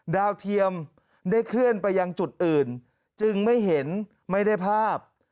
เทียมได้เคลื่อนไปยังจุดอื่นจึงไม่เห็นไม่ได้ภาพ